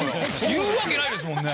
言うわけないですもんね！